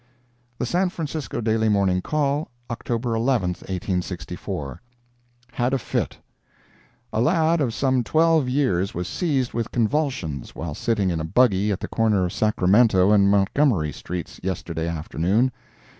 The San Francisco Daily Morning Call, October 11, 1864 HAD A FIT A lad of some twelve years was seized with convulsions, while sitting in a buggy at the corner of Sacramento and Montgomery streets, yesterday afternoon.